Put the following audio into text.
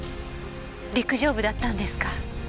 陸上部だったんですか。